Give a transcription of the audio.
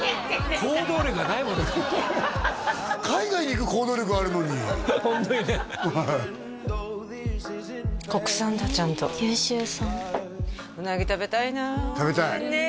行動力がないもんで海外に行く行動力はあるのにホントにね国産だちゃんと九州産ウナギ食べたいな食べたいねえ